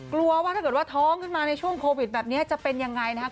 กลัวว่าถ้าเกิดว่าท้องขึ้นมาในช่วงโควิดแบบนี้จะเป็นยังไงนะครับ